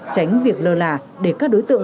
tránh việc lơ là để các đối tượng